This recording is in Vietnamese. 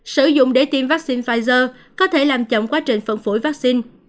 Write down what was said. sử dụng để tiêm vắc xin pfizer có thể làm chậm quá trình phân phối vắc xin